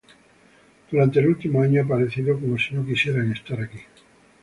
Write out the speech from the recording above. Durante el último año ha parecido como si no quisieran estar aquí.